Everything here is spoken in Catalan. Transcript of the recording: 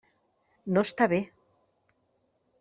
No està bé.